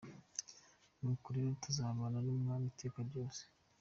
Nuko rero tuzabana n'Umwami iteka ryose.